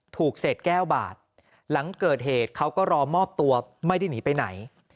ถูกเศษแก้วบาดหลังเกิดเหตุเขาก็รอมอบตัวไม่ได้หนีไปไหน